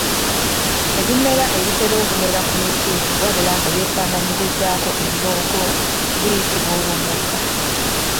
Ebimera ebitera okumera ku miti wabula nga byefaanaanyirizaako embogo biyitibwa Olubuuka.